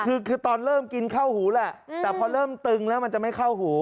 คือคือตอนเริ่มกินเข้าหูแหละแต่พอเริ่มตึงแล้วมันจะไม่เข้าหู